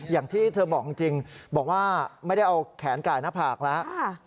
อย่างที่เธอบอกจริงบอกว่าไม่ได้เอาแขนไก่หน้าผากแล้ว